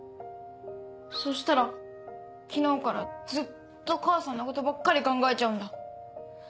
そしたら昨日からずっと母さんのことばっかり考えちゃうんだ。